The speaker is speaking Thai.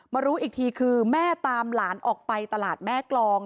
รู้อีกทีคือแม่ตามหลานออกไปตลาดแม่กรอง